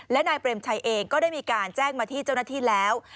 และนายเปรมชัยเองก็ได้มีการแจ้งมาที่เจ้าหน้าที่แล้ว